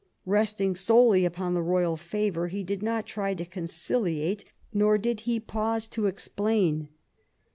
Resting solely upon the royal favour, he did not try to conciliate, nor did he pause to explain.